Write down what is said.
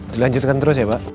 dilanjutkan terus ya pak